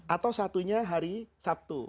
atau satunya hari sabtu